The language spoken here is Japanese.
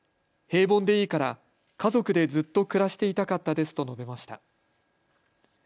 平凡でいいから家族でずっと暮らしていたかったですと述べました。